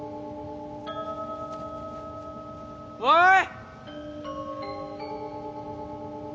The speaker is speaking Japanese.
おい！